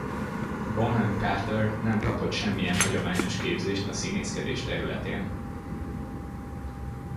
Bonham Carter nem kapott semmilyen hagyományos képzést a színészkedés területén.